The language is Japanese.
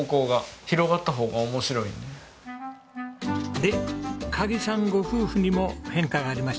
で鍵さんご夫婦にも変化がありました。